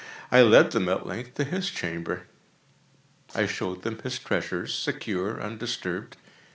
I led them, at length, to his chamber. I showed them his treasures, secure, undisturbed.